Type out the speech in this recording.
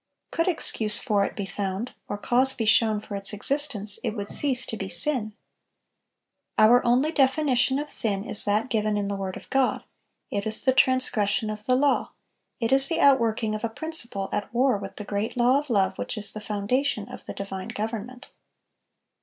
Could excuse for it be found, or cause be shown for its existence, it would cease to be sin. Our only definition of sin is that given in the word of God; it is "the transgression of the law," it is the outworking of a principle at war with the great law of love which is the foundation of the divine government.